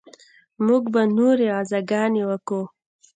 موږ به نورې غزاګانې وکو.